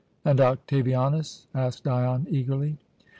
"And Octavianus?" asked Dion eagerly.